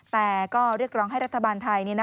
แต่ก็เรียกร้องให้รัฐบาลไทย